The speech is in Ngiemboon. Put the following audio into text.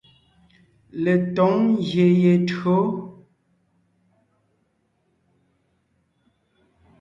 Letǒŋ ngyè ye tÿǒ.